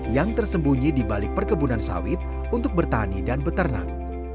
yang tersembunyi di balik perkebunan sawit untuk bertani dan beternak